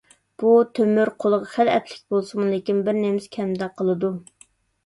بۇ تۆمۈر قولغا خېلى ئەپلىك بولسىمۇ، لېكىن بىرنېمىسى كەمدەك قىلىدۇ.